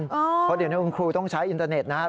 เพราะเดี๋ยวนี้คุณครูต้องใช้อินเทอร์เน็ตนะครับ